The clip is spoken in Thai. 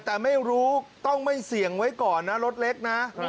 แต่ไม่รู้ต้องไม่เสี่ยงไว้ก่อนนะรถเล็กนะ